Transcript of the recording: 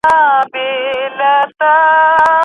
د لوستلو ذوق په تمرین سره زیاتیږي.